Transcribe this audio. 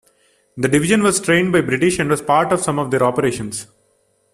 The division was trained by British and was part of some of their operations.